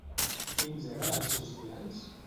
Quins eren els seus ideals?